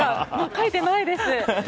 書いてないです。